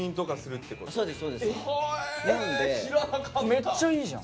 めっちゃいいじゃん。